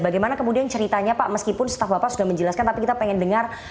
bagaimana kemudian ceritanya pak meskipun staf bapak sudah menjelaskan tapi kita pengen dengar